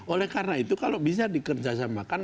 oleh karena itu kalau bisa dikerjasamakan